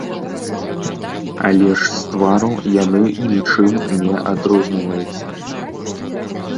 Але ж з твару яны нічым не адрозніваюцца.